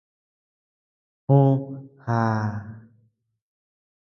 Jú, já.